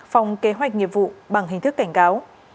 phòng kế hoạch nghiệp vụ bằng hình thức cảnh cáo